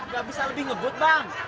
gak bisa lebih ngebut bang